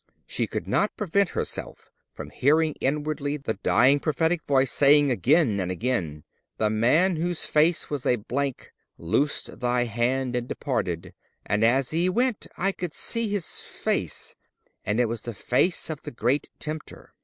She could not prevent herself from hearing inwardly the dying prophetic voice saying again and again,—"The man whose face was a blank loosed thy hand and departed; and as he went, I could see his face, and it was the face of the great Tempter...